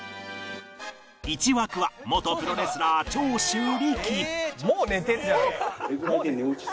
１枠は元プロレスラー長州力「」